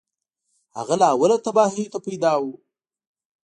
هغه له اوله تباهیو ته پیدا و